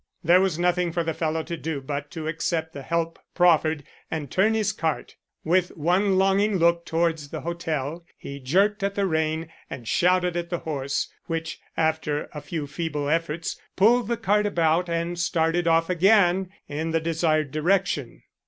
There was nothing for the fellow to do but to accept the help proffered, and turn his cart. With one longing look towards the hotel he jerked at the rein and shouted at the horse, which, after a few feeble efforts, pulled the cart about and started off again in the desired direction.